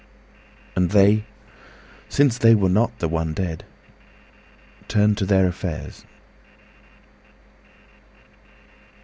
And they, since theyWere not the one dead, turned to their affairs.